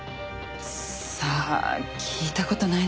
さあ聞いた事ないですね。